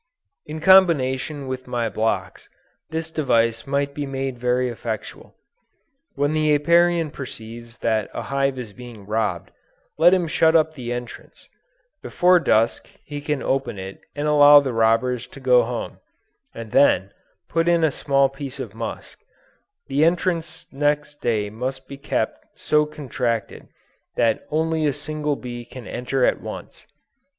In combination with my blocks, this device might be made very effectual. When the Apiarian perceives that a hive is being robbed, let him shut up the entrance: before dusk he can open it and allow the robbers to go home, and then: put in a small piece of musk: the entrance next day may be kept so contracted that only a single bee can enter at once.